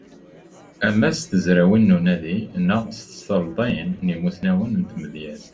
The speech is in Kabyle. Ama s tezrawin n unadi neɣ s tselḍin n yimussnawen n tmedyazt.